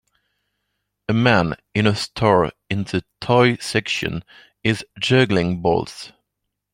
A man in a store in the toy section is juggling balls